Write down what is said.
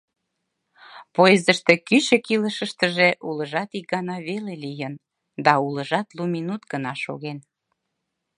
Поездыште кӱчык илышыштыже улыжат ик гана веле лийын, да улыжат лу минут гына шоген.